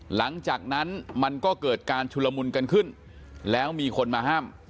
หลังจากนั้นมันก็เกิดการชุลมุนกันขึ้นแล้วมีคนมาห้าม